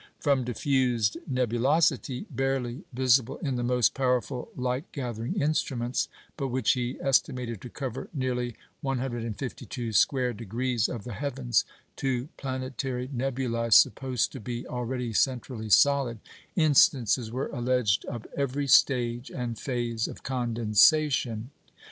" From diffused nebulosity, barely visible in the most powerful light gathering instruments, but which he estimated to cover nearly 152 square degrees of the heavens, to planetary nebulæ, supposed to be already centrally solid, instances were alleged of every stage and phase of condensation.